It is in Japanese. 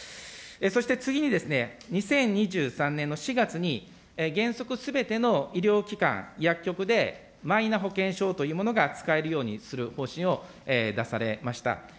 そして次に、２０２３年の４月に、原則すべての医療機関、薬局で、マイナ保険証というものが使えるようにする方針を出されました。